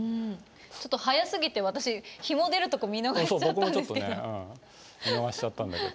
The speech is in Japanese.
ちょっと速すぎて私ひも出るとこ見逃しちゃったんですけど。